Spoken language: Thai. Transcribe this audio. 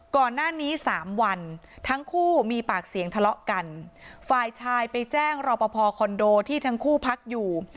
ก่อนหน้านี้สามวันทั้งคู่มีปากเสียงทะเลาะกันฝ่ายชายไปแจ้งรอปภคอนโดที่ทั้งคู่พักอยู่